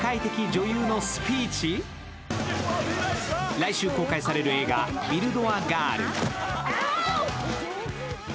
来週公開される映画「ビルド・ア・ガール」。